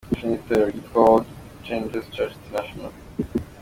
Yashinze itorero ritwa World Changers Church International.